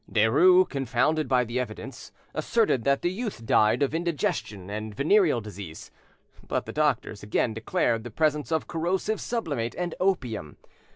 Derues, confounded by the evidence, asserted that the youth died of indigestion and venereal disease. But the doctors again declared the presence of corrosive sublimate and opium.